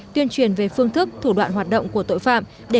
tuyên truyền về phương thức thủ đoạn hoạt động của tội phạm